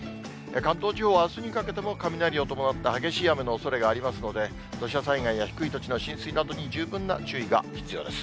関東地方はあすにかけても、雷を伴った激しい雨のおそれがありますので、土砂災害や低い土地の浸水などに十分な注意が必要です。